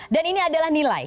dan ini adalah nilai